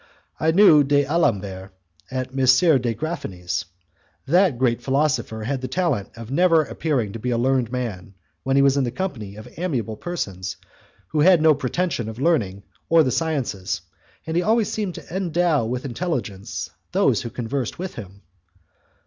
I knew d'Alembert at Madame de Graffigny's. That great philosopher had the talent of never appearing to be a learned man when he was in the company of amiable persons who had no pretension to learning or the sciences, and he always seemed to endow with intelligence those who conversed with him.